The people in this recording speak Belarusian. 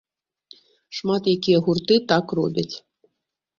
Шмат якія гурты так робяць.